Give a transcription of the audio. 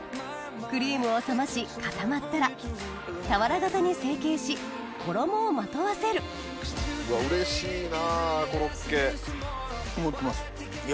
クリームを冷まし固まったら俵形に成形し衣をまとわせるうれしいなコロッケ。